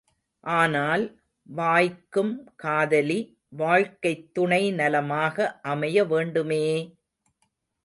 ஆனால், வாய்க்கும் காதலி, வாழ்க்கைத் துணை நலமாக அமைய வேண்டுமே!